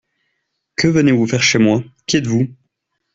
Que venez-vous faire chez moi? Qui êtes-vous ?